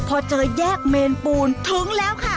พอเจอแยกเมนปูนถึงแล้วค่ะ